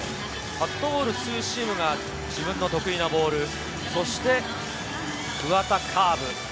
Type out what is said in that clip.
カットボール、ツーシームが自分の得意なボール、そして桑田カーブ。